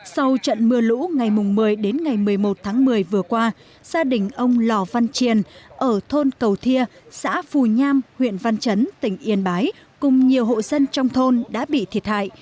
sau trận mưa lũ ngày một mươi đến ngày một mươi một tháng một mươi vừa qua gia đình ông lò văn triền ở thôn cầu thia xã phù nham huyện văn chấn tỉnh yên bái cùng nhiều hộ dân trong thôn đã bị thiệt hại